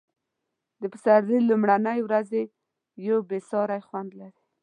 د پسرلي لومړنۍ ورځې یو بې ساری خوند لري.